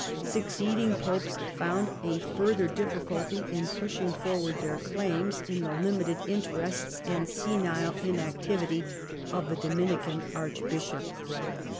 Succeeding popes found a further difficulty in pushing forward their claims, in the IX EDWARD AND THE CHURCH 155 limited interests and senile inactivity of the Domini can archbishop.